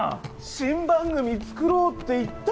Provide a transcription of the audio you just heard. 新番組作ろうって言ったじゃん！